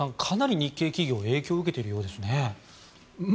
かなり日系企業は影響を受けているようですね。